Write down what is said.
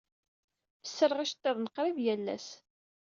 Fessreɣ iceḍḍiḍen qrib yal ass.